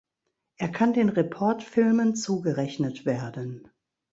Er kann den Report-Filmen zugerechnet werden.